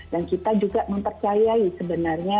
dan kita juga mempercayai sebenarnya